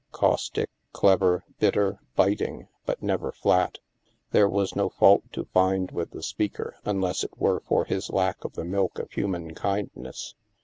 Caustic, clever, bitter, biting, but never flat. There was no fault to find with the speaker, unless it were for his lack of the milk of human kindness.